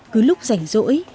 cứ lúc rảnh rỗi